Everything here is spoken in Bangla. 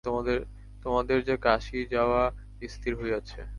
তোমাদের যে কাশী যাওয়া স্থির হইয়াছে।